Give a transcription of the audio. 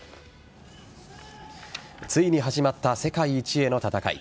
ついに始まった世界一への戦い。